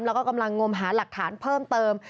แล้วก็กำลังงมหาหลักฐานเพิ่มเติม